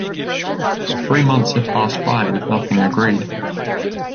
Three months had passed by with nothing agreed.